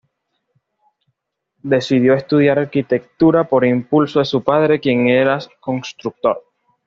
Decidió estudiar arquitectura por impulso de su padre, quien era constructor.